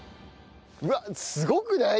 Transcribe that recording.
うわっすごくない？